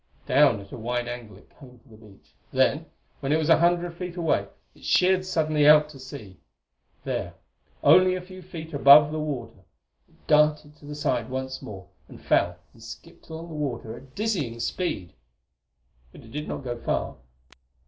Down at a wide angle it came for the beach; then, when it was a hundred feet away, it sheared suddenly out to sea. There, only a few feet above the water, it darted to the side once more and fell, and skipped along the water at dizzying speed. But it did not go far.